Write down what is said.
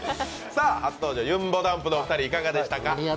初登場、ゆんぼだんぷのお二人いかがでしたか？